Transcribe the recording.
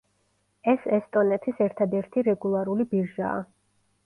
ის ესტონეთის ერთადერთი რეგულარული ბირჟაა.